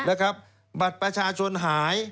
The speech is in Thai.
นะครับบัตรประชาชนหาย